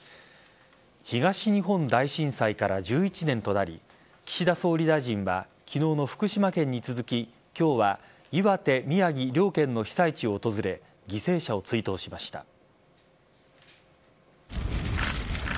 東日本大震災から１１年となり岸田総理大臣は昨日の福島県に続き今日は岩手、宮城両県の被災地を訪れ犠牲者を追悼しました。